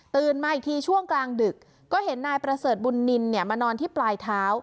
มาอีกทีช่วงกลางดึกก็เห็นนายประเสริฐบุญนินเนี่ยมานอนที่ปลายเท้า